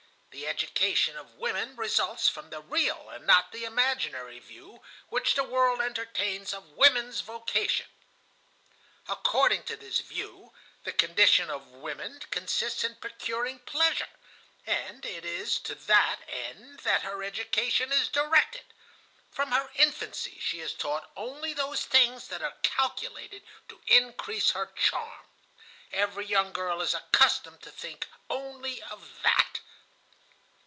The education of women results from the real and not imaginary view which the world entertains of women's vocation. According to this view, the condition of women consists in procuring pleasure and it is to that end that her education is directed. From her infancy she is taught only those things that are calculated to increase her charm. Every young girl is accustomed to think only of that.